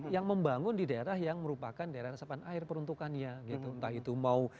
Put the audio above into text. yang membangun di daerah yang merupakan daerah resapan air peruntukannya gitu entah itu mau pengembang besar atau tidak